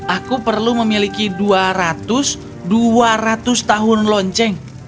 aku perlu memiliki dua ratus dua ratus tahun lonceng